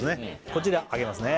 こちらあげますね